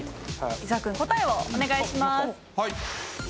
伊沢くん答えをお願いします。